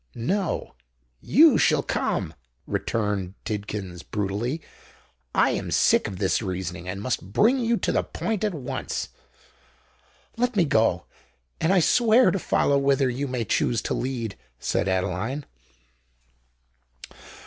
"No—you shall come," returned Tidkins, brutally: "I am sick of this reasoning, and must bring you to the point at once." "Let me go—and I swear to follow whither you may choose to lead," said Adeline.